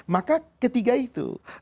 maka ketiga itu